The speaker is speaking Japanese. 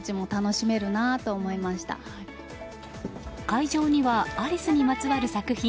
会場にはアリスにまつわる作品